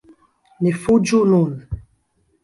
Ni fuĝu nun!